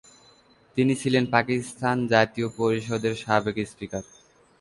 তিনি ছিলেন পাকিস্তান জাতীয় পরিষদের সাবেক স্পিকার।